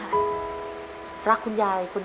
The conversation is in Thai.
เห็นบอกว่าหนูสนิทกับคุณยายไม่ใช่เหรอ